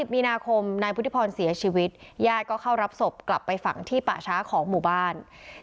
มีนาคมนายพุทธิพรเสียชีวิตญาติก็เข้ารับศพกลับไปฝังที่ป่าช้าของหมู่บ้าน